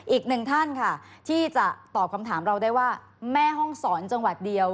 อีกหนึ่งท่านค่ะที่จะตอบคำถามเราได้ว่าแม่ห้องสอนจังหวัดเดียว